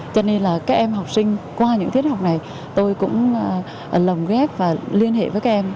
cho nên là các em học sinh qua những thiết học này tôi cũng lòng ghét và liên hệ với các em